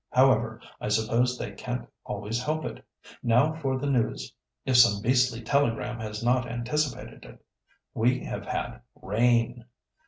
However, I suppose they can't always help it. Now for the news, if some beastly telegram has not anticipated it. We have had RAIN!